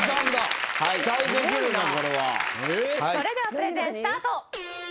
それではプレゼンスタート！